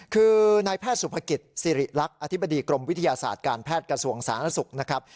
คือนายแพทย์สุภกิจสิริรักษ์อธิบดีกรมวิทยาศาสตร์การแพทย์กระทรวงสาธารณสุขนะครับ